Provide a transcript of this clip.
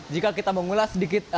jika kita mengulas sedikit